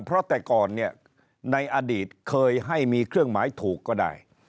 เพราะแต่ก่อนเนี่ยในอดีตเคยให้มีเครื่องหมายถูกก็ได้